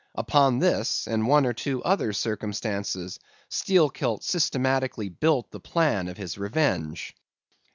Upon this, and one or two other circumstances, Steelkilt systematically built the plan of his revenge.